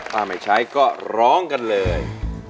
ถ้าไม่ใช้ก็ร้องกันเลย